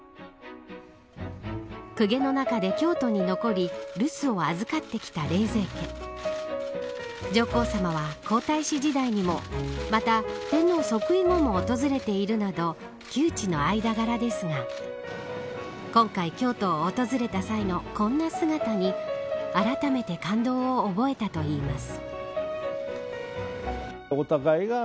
公家の中で京都に残り留守を預かってきた冷泉家上皇さまは、皇太子時代にもまた、天皇即位後も訪れているなど旧知の間柄ですが今回、京都を訪れた際のこんな姿にあらためて感動を覚えたといいます。